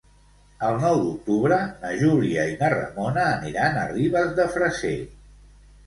El nou d'octubre na Júlia i na Ramona aniran a Ribes de Freser.